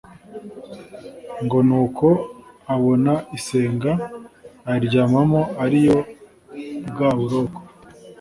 ngo ni uko abona isenga ayiryamamo ariyo bwa buroko,